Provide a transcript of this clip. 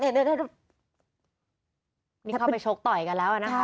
นี่เข้าไปชกต่อยกันแล้วนะคะ